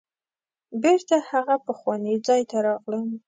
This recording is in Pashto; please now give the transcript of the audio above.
بیرته هغه پخواني ځای ته راغلم.